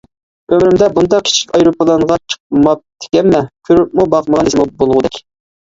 ئۆمرۈمدە بۇنداق كىچىك ئايروپىلانغا چىقماپتىكەنمەن، كۆرۈپمۇ باقمىغان دېسەممۇ بولغۇدەك.